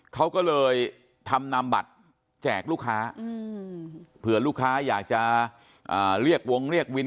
เขาก็เลยทำนำบัตรแจกลูกค้าเผื่อลูกค้าอยากจะเรียกวงเรียกวิน